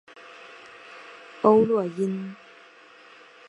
欧络因。